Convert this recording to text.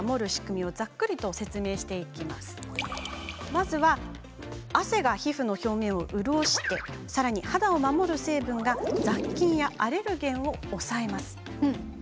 まず汗が皮膚の表面を潤しさらに肌を守る成分が雑菌やアレルゲンを抑えます。